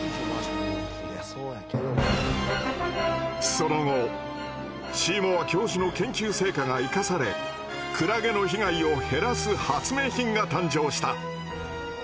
その後シーモア教授の研究成果が生かされクラゲの被害を減らす発明品が誕生した。